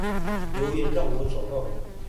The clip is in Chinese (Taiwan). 留言讓我找到你